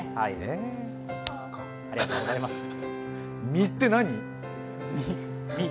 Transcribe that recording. ミって何？